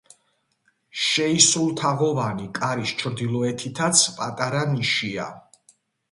შეისრულთაღოვანი კარის ჩრდილოეთითაც პატარა ნიშია.